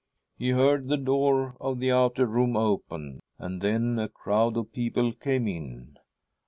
He heard the door of the outer room open, and then a crowd of people came in.